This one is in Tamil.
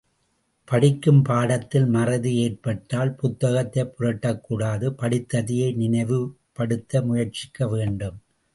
படிக்கும் பாடத்தில் மறதி ஏற்பட்டால் புத்தகத்தைப் புரட்டக் கூடாது படித்ததையே நினைவுபடுத்த முயற்சிக்க வேண்டும்.